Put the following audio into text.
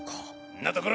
んな所